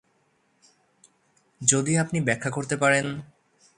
যদি আপনি ব্যাখ্যা করতে পারেন।